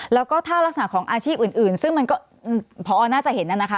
แล้วก็ถ้ารักษณะของอาชีพอื่นซึ่งมันก็พอน่าจะเห็นนั่นนะคะ